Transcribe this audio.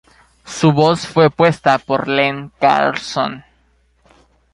Su voz fue puesta por Len Carlson.